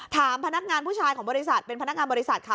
ถามพนักงานผู้ชายของบริษัทเป็นพนักงานบริษัทค่ะ